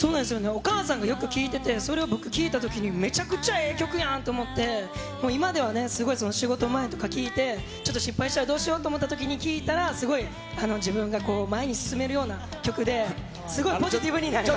お母さんがよく聴いてて、それを僕、聴いたときに、めちゃくちゃええ曲やん！と思って、もう今では、すごい仕事前とか聴いて、ちょっと失敗したらどうしようと思って聴いたら、すごい自分が前に進めるような曲で、すごいポジティブになれます。